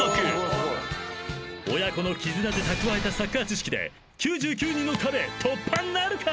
［親子の絆で蓄えたサッカー知識で９９人の壁突破なるか？］